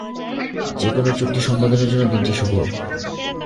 যেকোনো চুক্তি সম্পাদনের জন্য দিনটি শুভ।